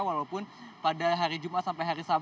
walaupun pada hari jumat sampai hari sabtu